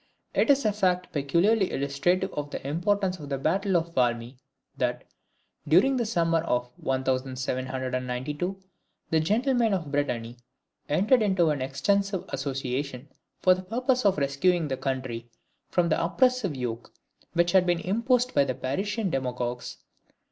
It is a fact peculiarly illustrative of the importance of the battle of Valmy, that "during the summer of 1792, the gentlemen of Brittany entered into an extensive association for the purpose of rescuing the country from the oppressive yoke which had been imposed by the Parisian demagogues.